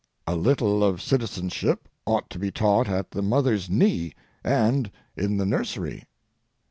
A little of citizenship ought to be taught at the mother's knee and in the nursery.